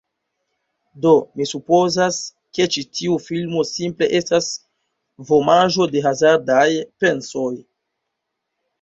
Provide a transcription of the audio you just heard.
Do mi supozas, ke ĉi tio filmo simple estas vomaĵo de hazardaj pensoj.